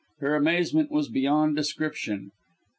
Her amazement was beyond description.